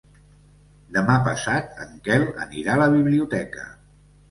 Demà passat en Quel anirà a la biblioteca.